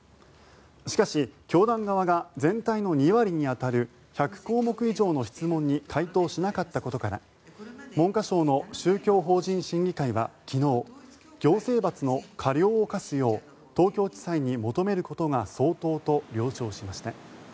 しかし、教団側が全体の２割に当たる１００項目以上の質問に回答しなかったことから文科省の宗教法人審議会は昨日行政罰の過料を科すよう東京地裁に求めることが相当と了承しました。